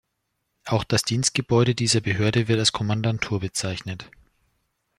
Auch das Dienstgebäude dieser Behörde wird als Kommandantur bezeichnet.